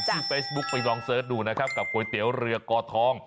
ที่เฟซบุ๊คไปลองเสิร์ชดูนะครับกับก๋วยเตี๋ยวเรือกอทอง